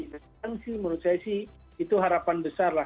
menurut saya sih itu harapan besar lah